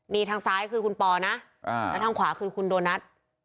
นี่ทางซ้ายคือคุณปอนะแล้วทางขวาคือคุณโดนัท